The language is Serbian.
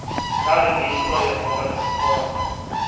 Да ли би историја могла да се понови?